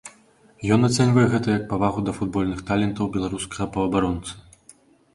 Ён ацэньвае гэта як павагу да футбольных талентаў беларускага паўабаронцы.